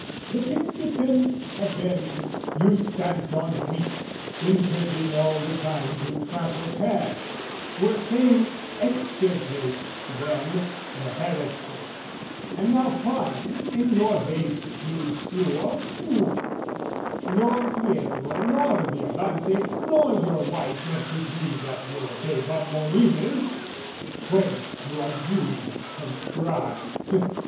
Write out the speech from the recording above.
"'The fit defence had been, you stamped on wheat, "'Intending all the time to trample tares, "'Were fain extirpate, then, the heretic, "'And now find, in your haste you slew a fool: "'Nor Pietro, nor Violante, nor your wife "'Meant to breed up your babe a Molinist! "'Whence you are duly contrite.